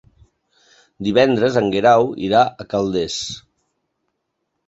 Divendres en Guerau irà a Calders.